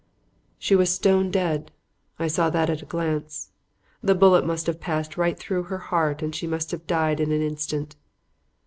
"She was stone dead. I saw that at a glance. The bullet must have passed right through her heart and she must have died in an instant.